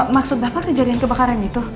maksud bapak kejadian kebakaran itu